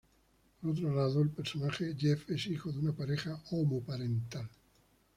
Por otro lado, el personaje Jeff es hijo de una pareja homoparental.